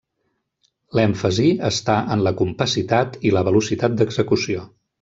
L'èmfasi està en la compacitat i la velocitat d'execució.